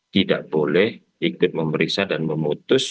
tidak boleh ikut memeriksa dan memutus